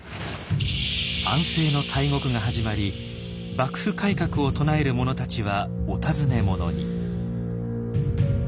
安政の大獄が始まり幕府改革を唱える者たちはお尋ね者に。